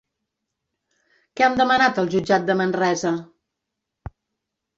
Què han demanat al jutjat de Manresa?